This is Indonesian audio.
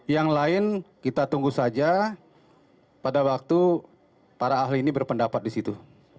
yang lain kita tunggu saja pada waktu para ahli ini berpendapat di situ